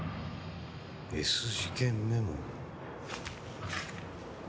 「Ｓ事件メモ」？